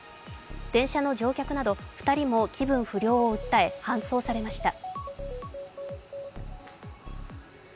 電車の乗客など２人も気分不良を訴え、搬送されました。